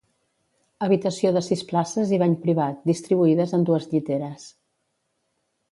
Habitació de sis places i bany privat, distribuïdes en dues lliteres.